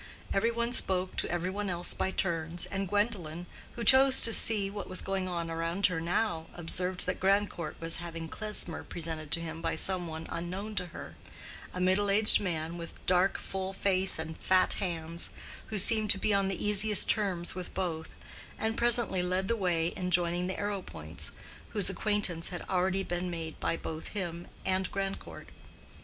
Every one spoke to every one else by turns, and Gwendolen, who chose to see what was going on around her now, observed that Grandcourt was having Klesmer presented to him by some one unknown to her—a middle aged man, with dark, full face and fat hands, who seemed to be on the easiest terms with both, and presently led the way in joining the Arrowpoints, whose acquaintance had already been made by both him and Grandcourt.